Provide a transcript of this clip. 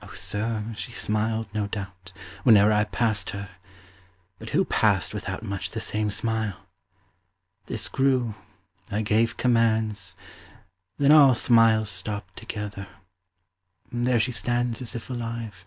Oh sir, she smiled, no doubt, Whene'er I passed her; but who passed without Much the same smile? This grew; I gave commands; Then all smiles stopped together. There she stands As if alive.